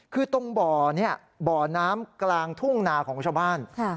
คือตรงบ่อเนี่ยบ่อน้ำกลางทุ่งนาของชาวบ้าน